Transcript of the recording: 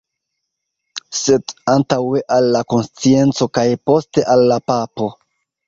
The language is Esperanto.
Sed antaŭe al la konscienco kaj poste al la papo”.